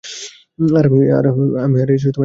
আর আমি হারিয়েছি এক বন্ধুকে।